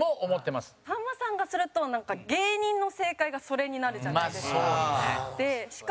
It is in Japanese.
吉住：さんまさんがすると芸人の正解がそれになるじゃないですか。